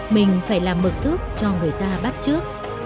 mình phải làm mực thước cho người ta bắt trước